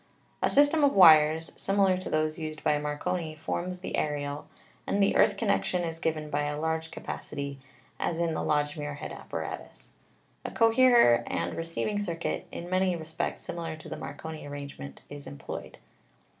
A system of wires, similar to those used by Marconi, forms the aerial, and the earth connection is given by a large ca pacity, as in the Lodge Muirhead apparatus. A coherer and receiving circuit in many respects similar to the Mar coni arrangement is employed.